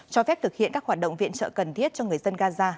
cho phép thực hiện các hoạt động viện trợ cần thiết cho người dân gaza